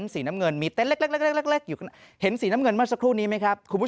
สีน้ำเงินมีเฤ้นสีน้ำเงินเมื่อสักครู่นี้ไหมครับคุณกุญ